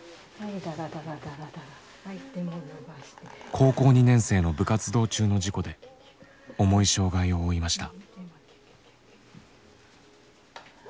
高校２年生の部活動中の事故で重い障害を負いました。